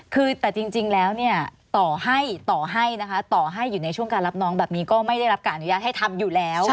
คือแต่จริงแล้วเนี่ยต่อให้ต่อให้นะคะต่อให้อยู่ในช่วงการรับน้องแบบนี้ก็ไม่ได้รับการอนุญาตให้ทำอยู่แล้ว